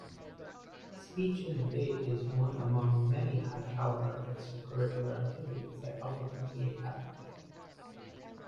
Speech and Debate is one among many high caliber extracurricular activities at Albuquerque Academy.